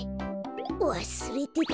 わすれてた。